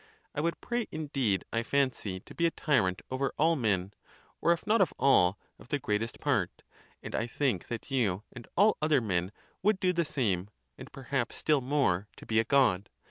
I would pray, indeed, I fancy, to be a tyrant over all men, or, if not of all, of the greatest part; and I think that you, and all other men, would do the same, and perhaps still more, to be a god.